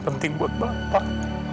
penting buat bapak